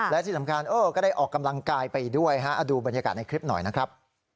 และที่สำคัญก็ได้ออกกำลังกายไปด้วยดูบรรยากาศในคลิปหน่อยนะครับ